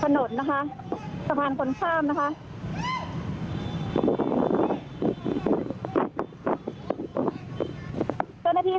เพราะตอนนี้ก็ไม่มีเวลาให้เข้าไปที่นี่